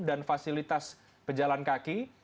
dan fasilitas pejalan kaki